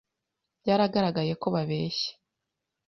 Byaragaragaye ko babeshye.